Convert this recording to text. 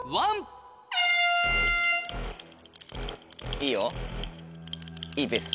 いいよいいペース。